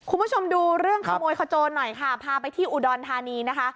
คุณผู้ชมดูเรื่องขโมยขโจนหน่อยค่ะพาไปที่อุดรธานีนะคะ